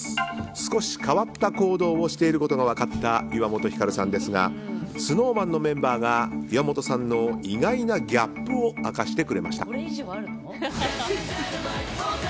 少し変わった行動をしていることが分かった岩本照さんですがＳｎｏｗＭａｎのメンバーが岩本さんの意外なギャップを明かしてくれました。